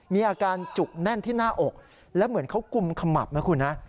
มีอาการจุกแน่นที่หน้าอกแล้วเหมือนเขากุมขมับนะคุณนะ